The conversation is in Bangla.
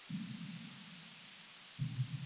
তাদেরকে অনুসন্ধান শুরু করতে বলো।